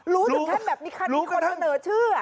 รู้ถึงแค่แบบนี้ค่ะมีคนเสนอชื่อ